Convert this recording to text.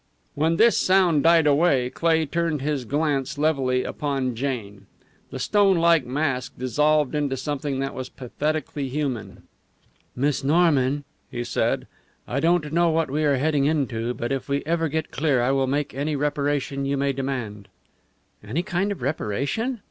When this sound died away Cleigh turned his glance levelly upon Jane. The stone like mask dissolved into something that was pathetically human. "Miss Norman," he said, "I don't know what we are heading into, but if we ever get clear I will make any reparation you may demand." "Any kind of a reparation?"